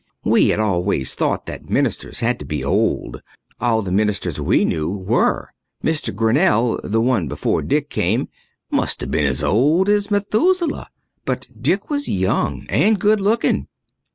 We had always thought that ministers had to be old. All the ministers we knew were. Mr. Grinnell, the one before Dick came, must have been as old as Methuselah. But Dick was young and good looking.